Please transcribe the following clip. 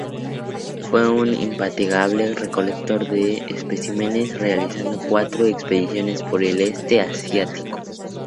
Fue un infatigable recolector de especímenes; realizando cuatro expediciones por el Este Asiático.